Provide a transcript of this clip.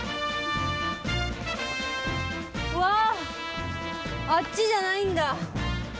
うわあっちじゃないんだ。